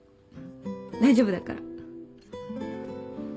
大丈夫だから。